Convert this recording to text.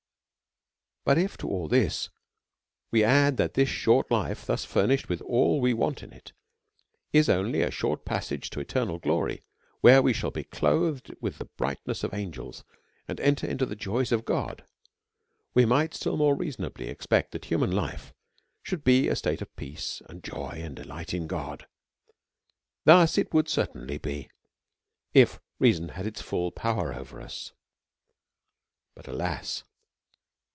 But if to all this we add, that this short life, thus furnished with all that we want in it, is only a short passage to eternal glory, where we shall be clothed with the brightness of angels, and enter into the joys of God, we might still more reasonably expect that hu man life should be a state of peace, and joy, and de light in God. Thus it would certainly be^ if reason had its full power over us. But alas!